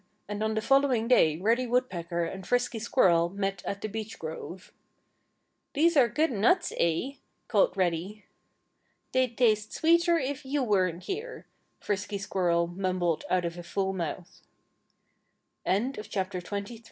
And on the following day Reddy Woodpecker and Frisky Squirrel met at the beech grove. "These are good nuts, eh?" called Reddy. "They'd taste sweeter if you weren't here," Frisky Squirrel mumbled out of a full mouth. *XXIV* *THE WINTER'S STORE* Aft